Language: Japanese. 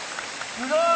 すごい！